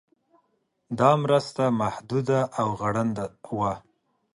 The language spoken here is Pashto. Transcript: دا مرسته محدوده او غړنده وه.